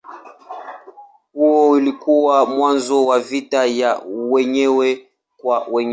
Huo ulikuwa mwanzo wa vita ya wenyewe kwa wenyewe.